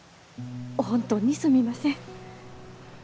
本当にすみません。